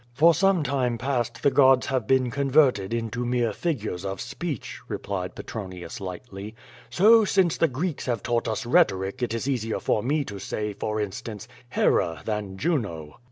"For some time past the gods have been converted into mere figures of speech/' replied Petronius lightly. • "So, since the Greeks have taught us rhetoric it is easier for me to say, for instance, Ilera than Juno.'